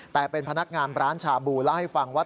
แต่เป็นพนักงานร้านชาบูเล่าให้ฟังว่า